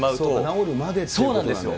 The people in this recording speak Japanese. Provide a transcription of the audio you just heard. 治るまでってことなんだよね。